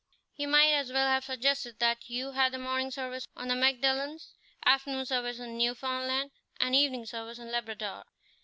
"He might as well have suggested that you had morning service on the Magdalens, afternoon service in Newfoundland, and evening service in Labrador."